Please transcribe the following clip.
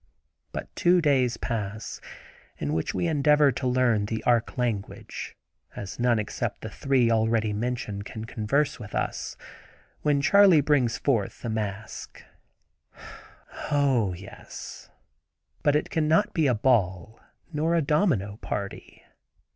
But two days pass, in which we endeavor to learn the Arc language, as none except the three already mentioned can converse with us, when Charley brings forth the masque. "Oh, yes; but it cannot be a ball nor a domino party.